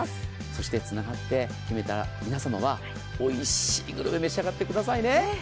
つながって、決めた皆様はおいしいグルメを召し上がってくださいね。